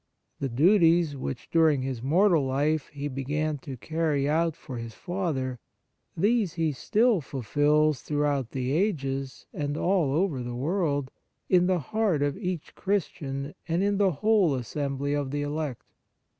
The duties which, during His mortal life, He began to carry out for His Father, these He still fulfils throughout the ages and all over the world, in the heart of each Christian and in the whole as sembly of the elect.